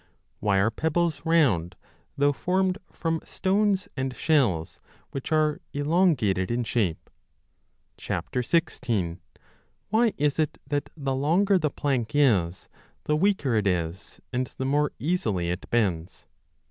Why are pebbles round, though formed from stones and shells which are elongated in shape ? 16. Why is it that the longer the plank is the weaker it is and the more easily it bends